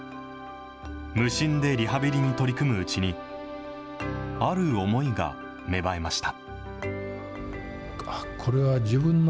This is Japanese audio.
無心でリハビリに取り組むうちに、ある思いが芽生えました。